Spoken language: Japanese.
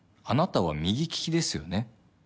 あなたは右利きですよね。